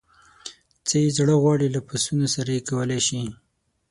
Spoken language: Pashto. څه یې زړه غواړي له پسونو سره یې کولای شي.